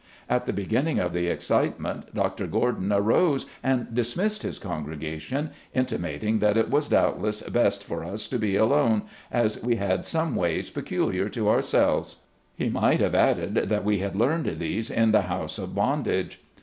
At the beginning of the excitement Dr. Gordon arose and dismissed his con gregation, intimating that it was doubtless best for us to be alone, as we had some ways peculiar to our selves. He might have added that we had learned these in the house of bondage.